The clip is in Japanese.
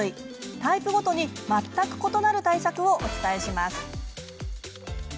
タイプごとに全く異なる対策をお伝えします。